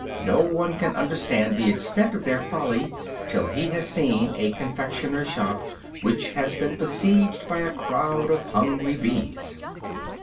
No one can understand the extent of their folly till he has seen a confectioner's shop which has been besieged by a crowd of hungry bees.